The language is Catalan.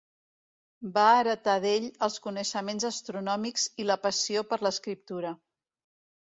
Va heretar d"ell els coneixements astronòmics i la passió per l"escriptura.